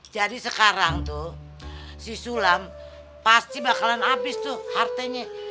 jadi sekarang tuh si sulaim pasti bakalan habis tuh hartanya